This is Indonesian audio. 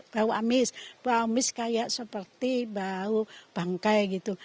bau amis amis kayak seperti bau bangkai gitu